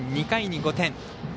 ２回に５点。